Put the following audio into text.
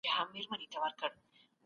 که چا په حق تېری وکړ سزا به ورکړي.